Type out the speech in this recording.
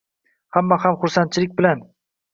hamma ham xursandchilik bilan qabul qilishga tayyor emas.